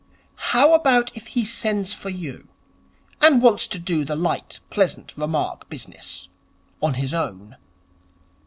'How about if he sends for you, and wants to do the light, pleasant remark business on his own?'